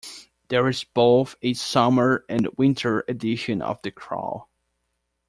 There is both a summer and winter edition of the crawl.